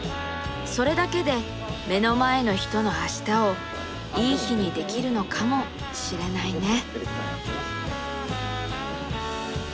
それだけで目の前の人のあしたをいい日にできるのかもしれないね。